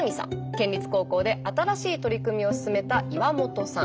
県立高校で新しい取り組みを進めた岩本さん。